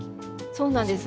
そうなんです。